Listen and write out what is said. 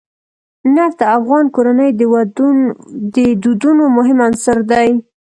نفت د افغان کورنیو د دودونو مهم عنصر دی.